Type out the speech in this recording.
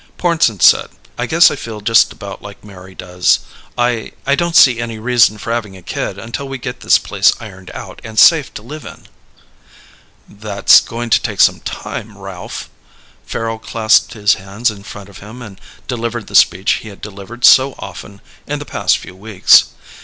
Pornsen said, "I guess I feel just about like Mary does. I I don't see any reason for having a kid until we get this place ironed out and safe to live in." "That's going to take time, Ralph." Farrel clasped his hands in front of him and delivered the speech he had delivered so often in the past few weeks.